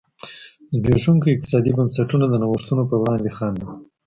زبېښونکي اقتصادي بنسټونه د نوښتونو پر وړاندې خنډ و.